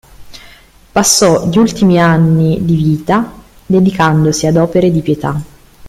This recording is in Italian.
Passò gli ultimi anni di vita dedicandosi ad opere di pietà.